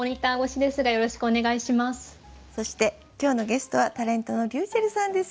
そして今日のゲストはタレントのりゅうちぇるさんです。